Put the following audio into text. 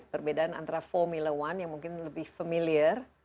perbedaan antara formula one yang mungkin lebih familiar